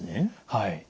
はい。